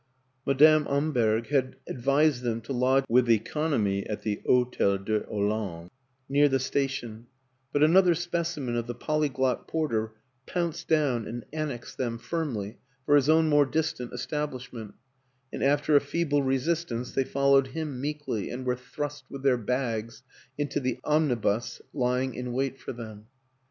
Madame Amberg had advised them to lodge with economy at the Hotel de Hollande near the station; but another specimen of the polyglot porter pounced down and annexed them firmly for his own more distant establishment, and after a feeble resistance they followed him meekly and were thrust with their bags into the omnibus lying in wait for them.